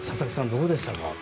どうでしたか？